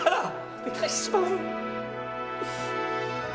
お願いします！